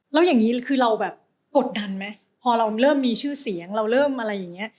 แล้วอย่างนี้คือเรากดดันไหมพอเรามีชื่อเสียงเรามีอะไรอย่างนี้